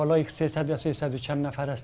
mungkin ada tujuh sepuluh orang yang lebih dewasa